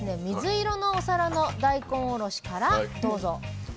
水色のお皿の大根おろしからどうぞ。